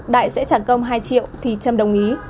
đại sẽ trả công hai triệu thì trâm đồng ý